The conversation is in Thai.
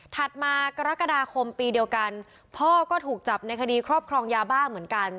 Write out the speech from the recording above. มากรกฎาคมปีเดียวกันพ่อก็ถูกจับในคดีครอบครองยาบ้าเหมือนกัน